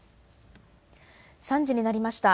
３時になりました。